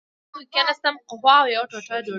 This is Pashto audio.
کافي شاپ کې کېناستم، قهوه او یوه ټوټه ډوډۍ مې.